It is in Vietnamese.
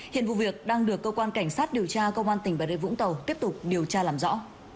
hiện vụ việc đang được công an tp bà rê vũng tàu tiếp tục điều tra làm rõ